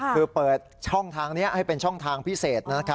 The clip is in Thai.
คือเปิดช่องทางนี้ให้เป็นช่องทางพิเศษนะครับ